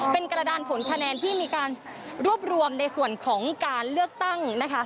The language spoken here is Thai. เป็นกระดานผลคะแนนที่มีการรวบรวมในส่วนของการเลือกตั้งนะคะ